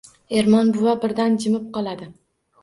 Ermon buva birdan jimib qoladi.